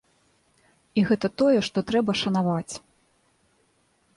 І гэта тое, што трэба шанаваць.